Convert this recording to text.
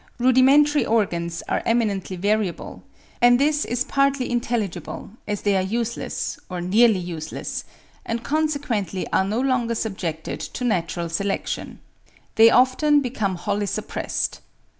Rudimentary organs are eminently variable; and this is partly intelligible, as they are useless, or nearly useless, and consequently are no longer subjected to natural selection. They often become wholly suppressed.